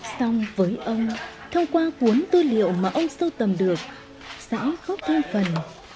xong với ông thông qua cuốn tư liệu mà ông sưu tầm được sẽ góp thêm phần